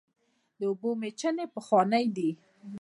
د اوبو میچنې پخوانۍ دي.